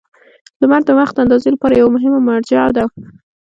• لمر د وخت اندازې لپاره یوه مهمه مرجع ده.